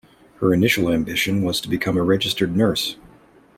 Her initial ambition was to become a registered nurse.